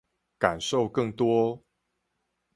感受更多